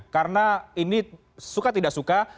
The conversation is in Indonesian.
karena ini suka tidak suka